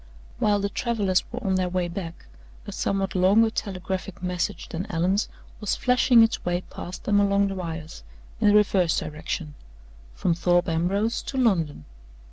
While the travelers were on their way back, a somewhat longer telegraphic message than Allan's was flashing its way past them along the wires, in the reverse direction from Thorpe Ambrose to London.